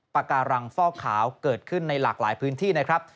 ปากการังฟอกขาวเกิดขึ้นในหลากหลายพื้นที่นะครับ